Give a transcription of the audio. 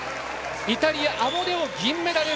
イタリア、アモデオ、銀メダル！